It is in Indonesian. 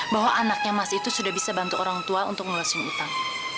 bahwa anaknya mas itu sudah bisa bantu orang tua untuk ngulasin utang